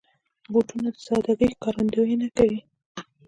بوټونه د سادګۍ ښکارندويي کوي.